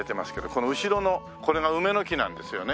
この後ろのこれが梅の木なんですよね。